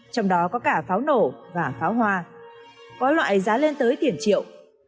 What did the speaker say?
trong đó có cả pháo nổ và pháo hoa có loại giá lên tới tiền triệu